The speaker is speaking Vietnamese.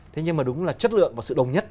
thế nhưng mà đúng là chất lượng và sự đồng nhất